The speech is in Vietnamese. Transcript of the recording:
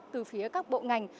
từ phía các bộ ngành